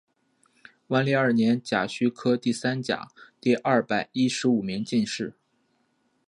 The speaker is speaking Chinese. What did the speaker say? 万历二年甲戌科第三甲第二百一十五名进士。